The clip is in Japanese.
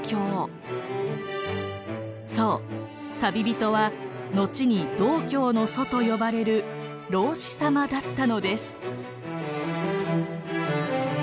そう旅人はのちに道教の祖と呼ばれる老子様だったのです。